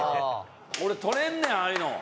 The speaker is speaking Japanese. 俺、取れんねん、ああいうの。